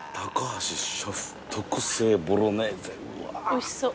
おいしそう。